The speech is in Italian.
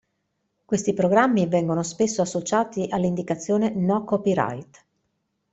Questi programmi vengono spesso associati all'indicazione no-copyright.